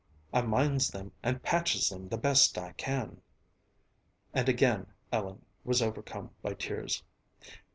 I minds them and patches them the best I can." And again Ellen was overcome by tears.